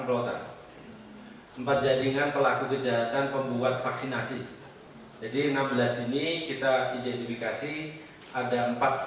empat jaringan pelaku kejahatan pembuat vaksinasi